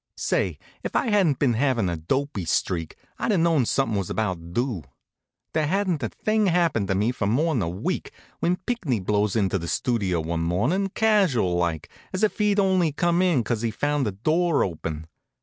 Say, if I hadn't been havin' a dopey streak I'd a known something was about due. There hadn't a thing happened to me for more'n a week, when Pinckney blows into the Studio one mornin', just casual like, as if he'd only come in 'cause he found the door open.